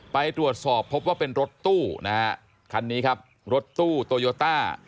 ไปตรวจสอบพบว่าเป็นรถตู้นะฮะคันนี้ครับรถตู้โตโยต้า